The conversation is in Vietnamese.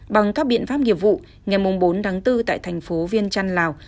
bằng các biện pháp nghiệp vụ ngày bốn tháng bốn tại thành phố viên trăn lào